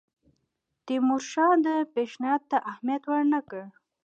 تیمورشاه دې پېشنهاد ته اهمیت ورنه کړ.